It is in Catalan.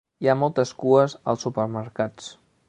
Hi ha moltes cues als supermercats.